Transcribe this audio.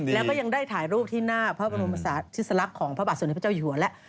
และช่วยถ่ายรูปที่หน้าทิศลักษณ์ของภะบัตรสุดในพระเจ้าอยู่หัวและ